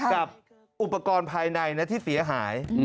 กับอุปกรณ์ภายในที่เสียหาย